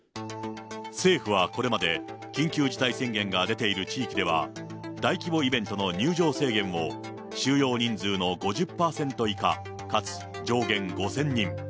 政府はこれまで、緊急事態宣言が出ている地域では、大規模イベントの入場制限を、収容人数の５０％以下、かつ上限５０００人。